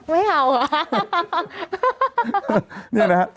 ไม่เอาไหรอ